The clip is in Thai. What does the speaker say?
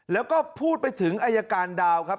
แล้วก็พูดไปถึงอายการดาวครับ